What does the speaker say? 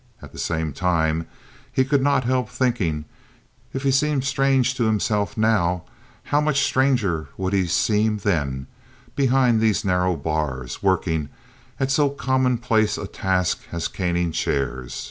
At the same time, he could not help thinking, if he seemed strange to himself, now, how much stranger he would seem then, behind these narrow bars working at so commonplace a task as caning chairs.